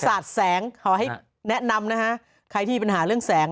สารแสงแนะนำใครที่มีปัญหาเรื่องแสง